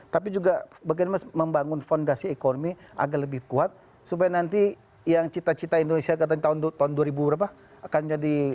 tapi juga bagaimana membangun fondasi ekonomi agar lebih kuat supaya nanti yang cita cita indonesia katanya tahun dua ribu berapa akan jadi